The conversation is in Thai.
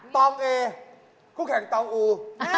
ตองเอคู่แข่งตองอู